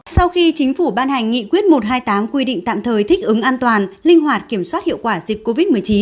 sau khi chính phủ ban hành nghị quyết một trăm hai mươi tám quy định tạm thời thích ứng an toàn linh hoạt kiểm soát hiệu quả dịch covid một mươi chín